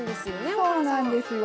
そうなんですよ。